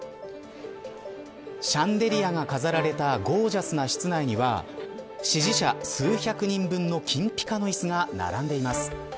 シャンデリアが飾られたゴージャスな室内には支持者数百人分の金ぴかの椅子が並んでいます。